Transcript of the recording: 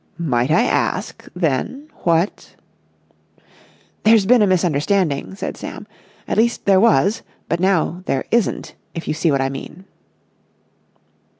"Might I ask, then, what...?" "There's been a misunderstanding," said Sam. "At least, there was, but now there isn't, if you see what I mean."